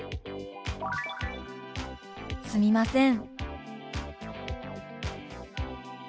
「すみません」。